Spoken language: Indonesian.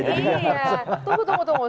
tunggu tunggu tunggu